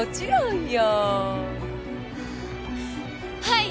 はい。